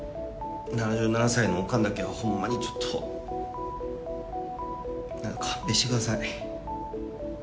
７７歳のおかんだけは、ほんまにちょっと、勘弁してください。